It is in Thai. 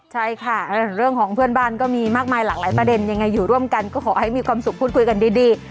ใช่ค่ะเรื่องของเพื่อนบ้านก็มีมากมายหลากหลายประเด็นยังไงอยู่ร่วมกันก็ขอให้มีความสุขพูดคุยกันดี